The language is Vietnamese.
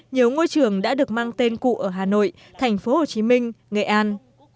nhiều ngôi trường đã được mang tên cụ ở hà nội thành phố hồ chí minh nghệ an